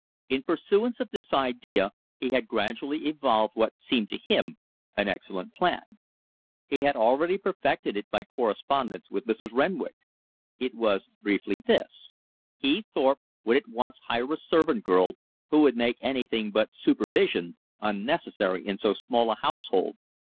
In pursuance of this idea he had gradually evolved what seemed to him an excellent plan. He had already perfected it by correspondence with Mrs. Renwick. It was, briefly, this: he, Thorpe, would at once hire a servant girl, who would make anything but supervision unnecessary in so small a household.